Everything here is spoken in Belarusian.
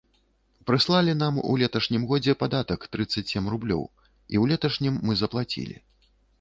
Прыслалі нам у леташнім годзе падатак трыццаць сем рублёў, і ў леташнім мы заплацілі.